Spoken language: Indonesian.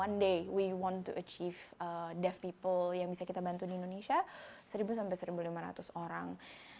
one day we want to achieve deaf people yang bisa kita bantu di indonesia seribu seribu lima ratus orang